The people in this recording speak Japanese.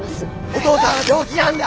お父さんは病気なんだ！